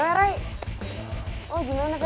ya udah tuh soalnya